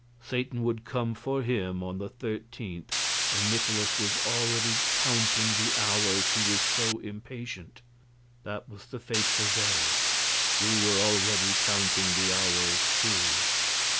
Satan would come for him on the 13th, and Nikolaus was already counting the hours, he was so impatient. That was the fatal day. We were already counting the hours, too.